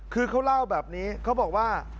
คือเขาเล่าแบบนี้เขาบอกว่า